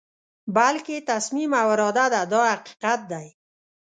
بلکې تصمیم او اراده ده دا حقیقت دی.